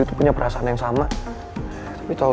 itu kayaknya nggak wikipedia kok